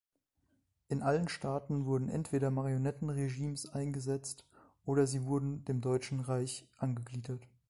In allen Staaten wurden entweder Marionetten-Regimes eingesetzt, oder sie wurden dem Deutschen Reich angegliedert.